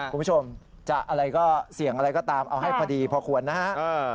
คุณผู้ชมจะอะไรก็เสี่ยงอะไรก็ตามเอาให้พอดีพอควรนะฮะ